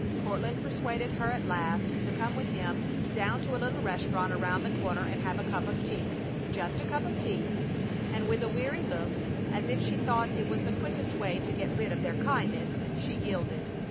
Courtland persuaded her at last to come with him down to a little restaurant around the corner and have a cup of tea just a cup of tea and with a weary look, as if she thought it was the quickest way to get rid of their kindness, she yielded.